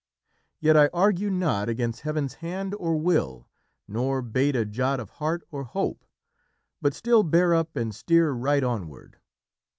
"Yet I argue not Against Heav'n's hand or will, nor bate a jot Of heart or hope; but still bear up and steer Right onward."